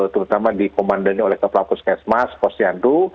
terutama dikomandannya oleh kapolakus ksmas posyandu